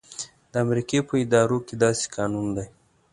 د امریکې په ادارو کې داسې قانون دی.